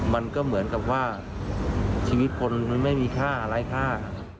มันก็เหมือนกับว่าชีวิตคนมันไม่มีค่าไร้ค่า